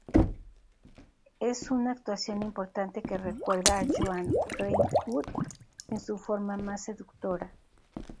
Es una actuación importante que recuerda a Joan Greenwood en su forma más seductora.